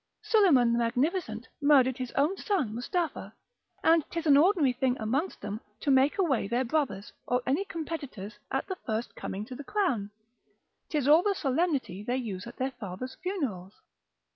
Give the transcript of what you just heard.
Suleiman the Magnificent murdered his own son Mustapha; and 'tis an ordinary thing amongst them, to make away their brothers, or any competitors, at the first coming to the crown: 'tis all the solemnity they use at their fathers' funerals.